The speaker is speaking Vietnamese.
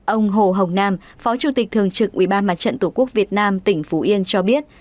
ông hồ hồng nam phó chủ tịch thường trực ubnd tq việt nam tỉnh phú yên cho biết